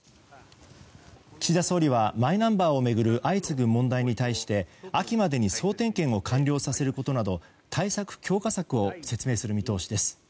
岸田総理はマイナンバーを巡る相次ぐ問題に対して秋までに総点検を完了させることなど対策強化策を説明する見通しです。